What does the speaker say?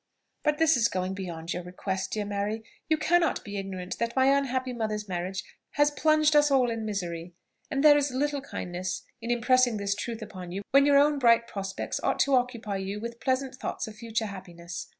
But this is going beyond your request, dear Mary. You cannot be ignorant that my unhappy mother's marriage has plunged us all in misery; and there is little kindness in impressing this truth upon you when your own bright prospects ought to occupy you with pleasant thoughts of future happiness.